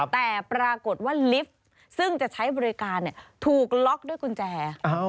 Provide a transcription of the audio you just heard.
แต่ปรากฏว่าลิฟต์ซึ่งจะใช้บริการถูกล็อกด้วยกุญแจ